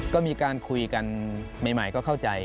ก็มีการคุยกันใหม่ก็เข้าใจ